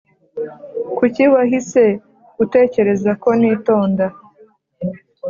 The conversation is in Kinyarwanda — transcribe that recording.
Kuki waahise utekereza ko nitonda